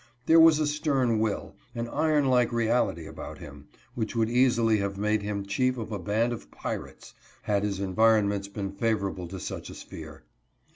There was a stern will, an iron like reality about him, which would easily have made him chief of a band of pirates, had his environments been favorable to such a sphere.